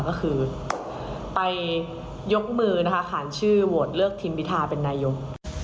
ก็คือไปยกมือนะคะขานชื่อโหวตเลือกทิมพิทาเป็นนายก